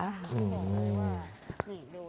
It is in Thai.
อืม